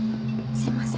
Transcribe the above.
すいません。